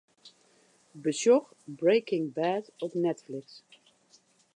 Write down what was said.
Besjoch 'Breaking Bad' op Netflix.